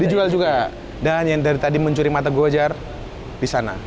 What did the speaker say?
dijual juga dan yang dari tadi mencuri mata gue ajar disana